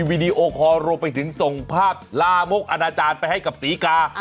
วีดีโอคอลรวมไปถึงส่งภาพลามกอนาจารย์ไปให้กับศรีกา